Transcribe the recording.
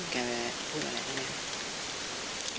แกจะพูดอะไรให้แม่